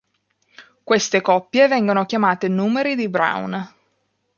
Queste coppie vengono chiamate numeri di Brown.